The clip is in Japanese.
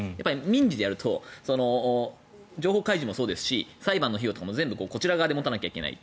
民事でやると情報開示もそうですし裁判の費用とかも全部こちら側で持たないといけない。